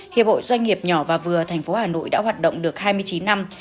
hiệp hội doanh nghiệp nhỏ và vừa thành phố hà nội đã hoạt động được hai mươi chín năm